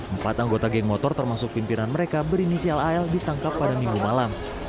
empat anggota geng motor termasuk pimpinan mereka berinisial al ditangkap pada minggu malam